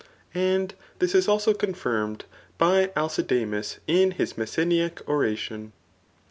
And this is also confirmed by Akidamas in hisMesseniaic oration.